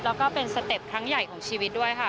แล้วก็เป็นสเต็ปครั้งใหญ่ของชีวิตด้วยค่ะ